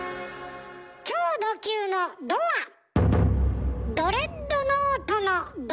超ド級の「ド」はドレッドノートの「ド」。